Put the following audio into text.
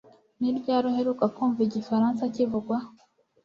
Ni ryari uheruka kumva igifaransa kivugwa?